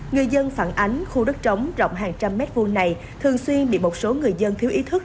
người dân phản ánh khu đất trống rộng hàng trăm mét vuông này thường xuyên bị một số người dân thiếu ý thức